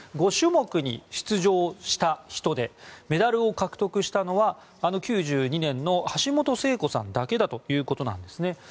５種目に出場した人でメダルを獲得したのは９２年の橋本聖子さんだけだということなんです。